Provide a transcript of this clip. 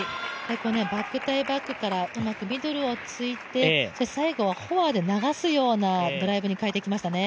バック対バックからうまくミドルを突いて最後はフォアで流すようなドライブに変えてきましたね。